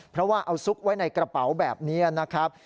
เพราะว่าเอาซุกไว้ในกระเป๋าแบบนี้นะครับ